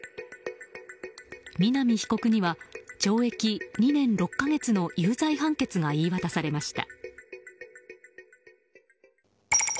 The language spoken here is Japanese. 南被告には懲役２年６か月の有罪判決が言い渡されました。